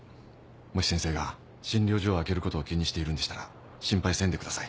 もし先生が診療所を空けることを気にしているんでしたら心配せんでください。